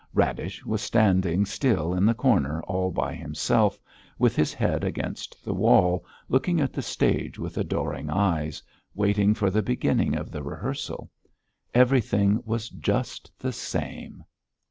Radish was standing still in a corner all by himself, with his head against the wall, looking at the stage with adoring eyes, waiting for the beginning of the rehearsal. Everything was just the same!